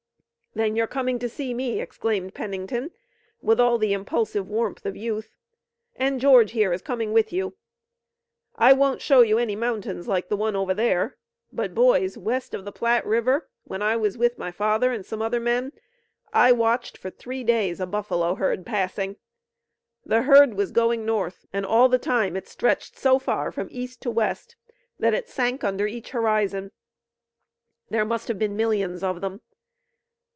"Then you're coming to see me!" exclaimed Pennington, with all the impulsive warmth of youth. "And George here is coming with you. I won't show you any mountains like the one over there, but boys, west of the Platte River, when I was with my father and some other men I watched for three days a buffalo herd passing. The herd was going north and all the time it stretched so far from east to west that it sank under each horizon. There must have been millions of them.